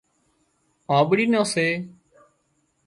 آنٻڙي نان سي